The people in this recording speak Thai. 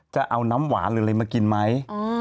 จะเอาน้ำหวานหรืออะไรมากินไหม